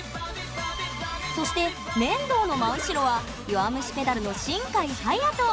そして燃堂の真後ろは「弱虫ペダル」の新開隼人。